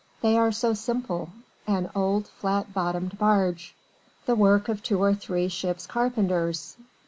They are so simple! An old flat bottomed barge. The work of two or three ship's carpenters!